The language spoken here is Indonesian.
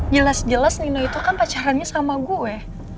jelas jelas nino itu kan pacarannya sama gue